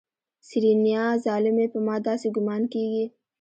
سېرېنا ظالمې په ما داسې ګومان کېږي.